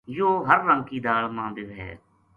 یوہ ہر رنگ کی دال ما بے وھے